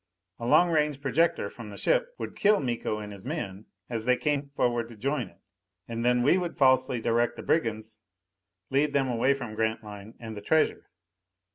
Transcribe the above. A long range projector from the ship would kill Miko and his men as they came forward to join it! And then we would falsely direct the brigands, lead them away from Grantline and the treasure.